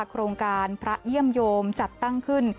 โครงการพระเยี่ยมโยมจัดตั้งขึ้น